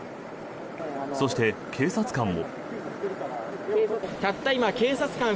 そして、警察官も。